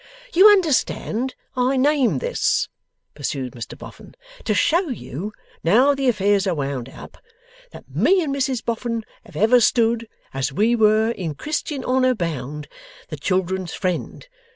'You understand; I name this,' pursued Mr Boffin, 'to show you, now the affairs are wound up, that me and Mrs Boffin have ever stood as we were in Christian honour bound, the children's friend.